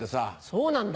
そうなんだ。